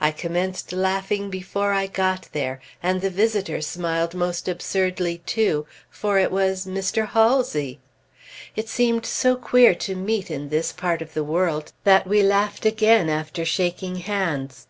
I commenced laughing before I got there, and the visitor smiled most absurdly, too; for it was Mr. Halsey! It seemed so queer to meet in this part of the world that we laughed again after shaking hands.